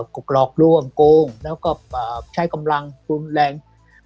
ก็หลอกล่วงโกงแล้วก็ใช้กำลังรุนแรง